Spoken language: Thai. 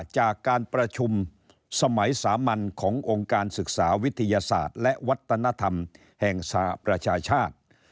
จากการประชุมสมัยสามัญขององค์การศึกษาวิทยาศาสตร์และวัฒนธรรมแห่งสหประชาชาติ